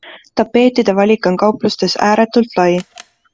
Tapeetide valik on kauplustes ääretult lai.